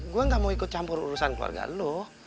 gue gak mau ikut campur urusan keluarga lo